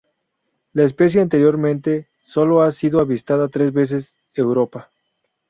La especie anteriormente sólo ha sido avistada tres veces Europa.